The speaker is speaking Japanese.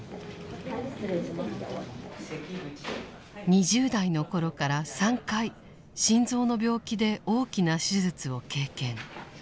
２０代の頃から３回心臓の病気で大きな手術を経験。